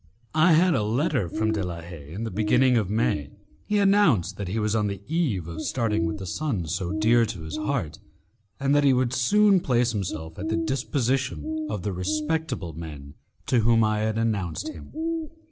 I had a letter from De la Haye in the beginning of May. He announced that he was on the eve of starting with the son so dear to his heart, and that he would soon place himself at the disposition of the respectable men to whom I had announced him.